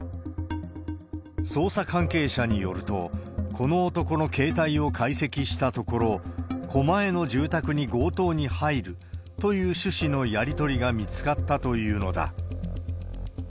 捜査関係者によると、この男の携帯を解析したところ、狛江の住宅に強盗に入るという趣旨のやり取りが見つかったというのだ。